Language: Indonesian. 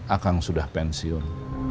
akang sudah pensiun